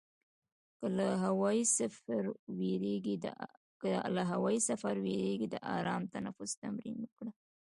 که له هوایي سفر وېرېږې، د آرام تنفس تمرین وکړه.